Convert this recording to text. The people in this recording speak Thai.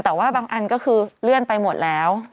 แต่ว่าบางอันก็คือเลื่อนไปหมดแล้ว